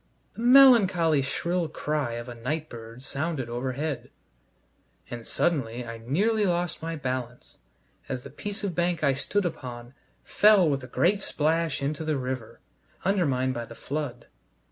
The melancholy shrill cry of a night bird sounded overhead, and suddenly I nearly lost my balance as the piece of bank I stood upon fell with a great splash into the river, undermined by the flood.